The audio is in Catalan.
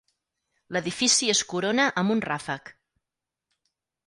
L'edifici es corona amb un ràfec.